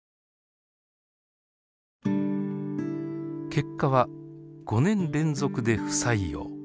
結果は５年連続で不採用。